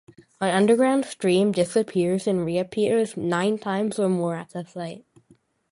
An underground stream "disappears and reappears" nine times or more at the site.